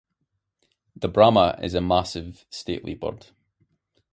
The Brahma is a massive, stately bird.